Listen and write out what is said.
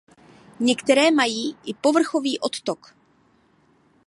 Některé mají i povrchový odtok.